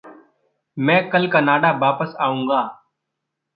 मैं कल कनाडा वापस आऊँगा।